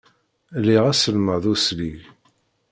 Liɣ aselmad uslig.